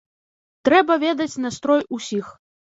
Трэба ведаць настрой усіх.